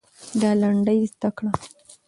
دا لنډۍ زده کړه.